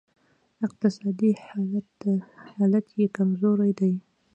اقتصادي حالت یې کمزوری دی